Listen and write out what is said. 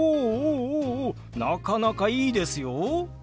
おおおなかなかいいですよ。